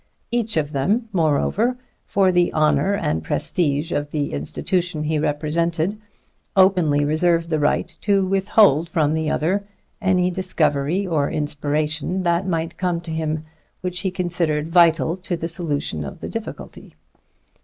Each of them, moreover, for the honor and prestige of the institution he represented, openly reserved the right to withhold from the other any discovery or inspiration that might come to him which he considered vital to the solution of the difficulty.